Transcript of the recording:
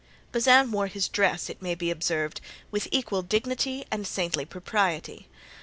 Bazin wore his dress, it may be observed, with equal dignity and saintly propriety.